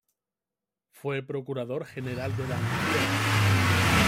Fue Procurador General de la Nación.